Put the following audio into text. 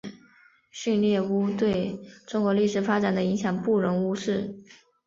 旭烈兀对中国历史发展的影响不容忽视。